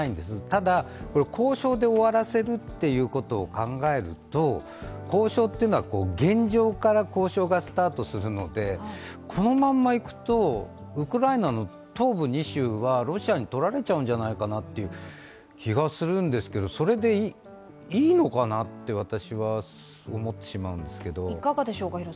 ただ、交渉で終わらせるということを考えると交渉というのは、現状から交渉がスタートするのでこのままいくと、ウクライナの東部２州はロシアに取られちゃうんじゃないかなという気がするんですがそれでいいのかなって、私は思ってしまうんですけど。